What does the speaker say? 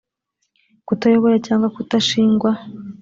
kutayobora cyangwa kutashingwa